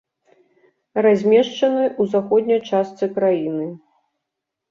Размешчаны ў заходняй частцы краіны.